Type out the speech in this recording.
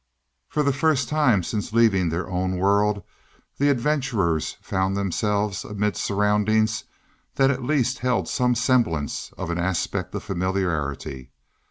For the first time since leaving their own world the adventurers found themselves amid surroundings that at least held some semblance of an aspect of familiarity.